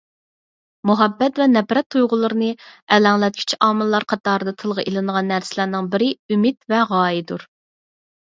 مۇھەببەت ۋە نەپرەت تۇيغۇلىرىنى ئەلەڭلەتكۈچى ئامىللار قاتارىدا تىلغا ئېلىنىدىغان نەرسىلەرنىڭ بىرى ئۈمىد ۋە غايەدۇر.